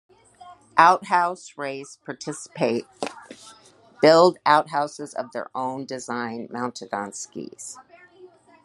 Outhouse race participants build outhouses of their own design mounted on skis.